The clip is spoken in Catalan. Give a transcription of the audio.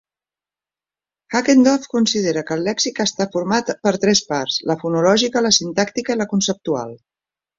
Jackendoff considera que el lèxic està format per tres parts: la fonològica, la sintàctica i la conceptual.